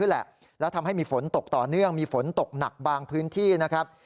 แหละแล้วทำให้มีฝนตกต่อเนื่องมีฝนตกหนักบางพื้นที่นะครับ